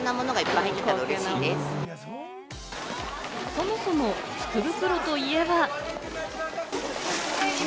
そもそも福袋といえば。